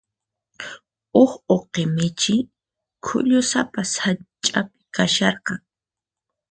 Huk uqi michi k'ullusapa sach'api kasharqan.